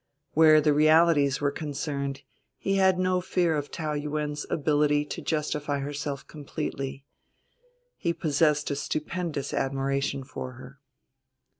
Where the realities were concerned he had no fear of Taou Yuen's ability to justify herself completely. He possessed a stupendous admiration for her.